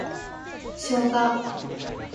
ショウガ